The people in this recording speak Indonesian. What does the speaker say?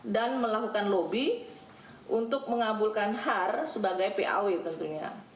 dan melakukan lobby untuk mengabulkan har sebagai paw tentunya